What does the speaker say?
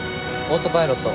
オートパイロット。